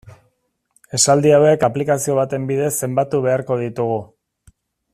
Esaldi hauek aplikazio baten bidez zenbatu beharko ditugu.